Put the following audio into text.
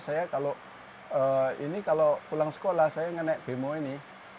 saya kalau ini kalau pulang sekolah saya ngenak bemo ini